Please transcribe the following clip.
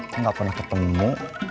saya gak pernah ketemu